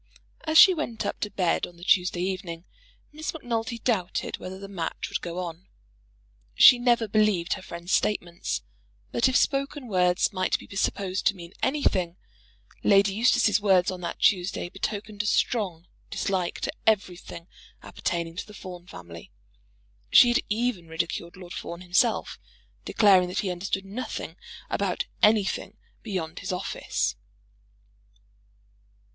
As she went up to bed on the Tuesday evening, Miss Macnulty doubted whether the match would go on. She never believed her friend's statements; but if spoken words might be supposed to mean anything, Lady Eustace's words on that Tuesday betokened a strong dislike to everything appertaining to the Fawn family. She had even ridiculed Lord Fawn himself, declaring that he understood nothing about anything beyond his office.